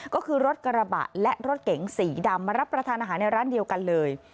ก็คือรถกระบะและรถเก๋งสีดำมารับประทานอาหารในร้านเดียวกันเลย